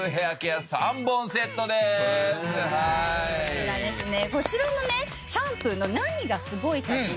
こちらですね。